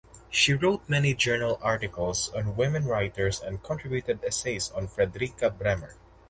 She wrote many journal articles on women writers and contributed essays on Fredrika Bremer.